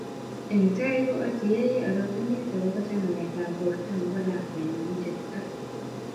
Eng' tai ko ati yei orokenet akobo chamanetab borto nebo lakwenyu ne chepto